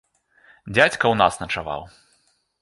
Дзядзька ў нас начаваў.